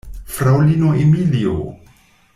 Fraŭlino Emilio!